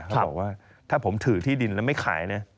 เขาบอกว่าถ้าผมถือที่ดินแล้วไม่ขาย